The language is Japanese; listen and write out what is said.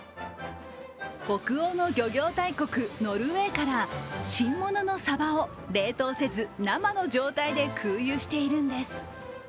北欧の漁業大国・ノルウェーから新物のサバを冷凍せず、生の状態で空輸しているんです。